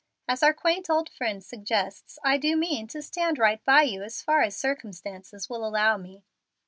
As our quaint old friend suggests, I do mean to stand right by you as far as circumstances will allow me.